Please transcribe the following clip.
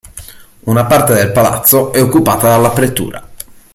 Una parte del palazzo è occupata dalla Pretura.